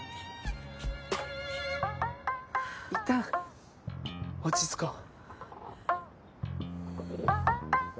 いったん落ち着こう。